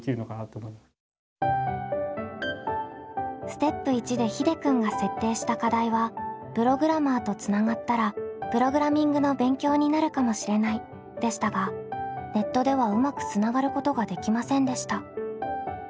ステップ１でひでくんが設定した課題は「プログラマーとつながったらプログラミングの勉強になるかもしれない」でしたがネットではうまくつながることができませんでした。